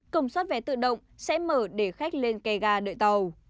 cổng soát vé tự động sẽ mở để khách lên cây gà đợi tàu